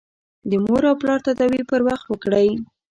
د مور او پلار تداوي پر وخت وکړئ.